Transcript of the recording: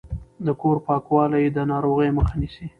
د کور پاکوالی د ناروغیو مخه نیسي۔